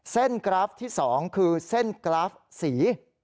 กราฟที่๒คือเส้นกราฟสี